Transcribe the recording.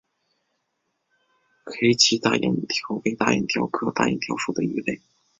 黑鳍大眼鲷为大眼鲷科大眼鲷属的鱼类。